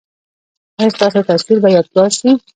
ایا ستاسو تصویر به یادګار شي؟